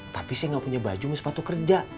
tapi saya gak punya baju sama sepatu kerja